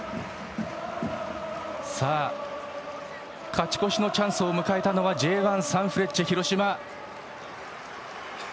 勝ち越しのチャンスを迎えたのはＪ１サンフレッチェ広島。